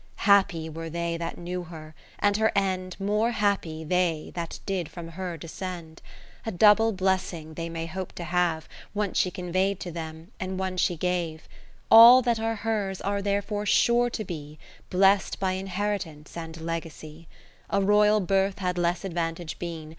Happy were they that knew her and her end. More happy they that did from her descend : A double blessing they may hope to have. One she convey'd to them, and one she gave. 100 All that are hers are therefore sure to be Blest by inheritance and legacy. A Royal Birth had less advantage been.